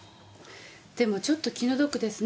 でもちょっと気の毒ですね。